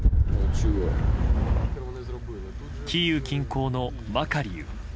キーウ近郊のマカリウ。